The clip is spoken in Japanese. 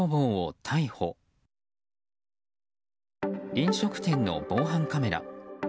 飲食店の防犯カメラ。